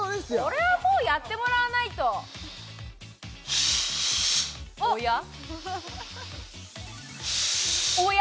これはもうやってもらわないとおや？